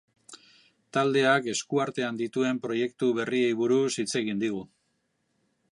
Taldeak, esku artean dituen proiektu berriei buruz hitz egingo digu.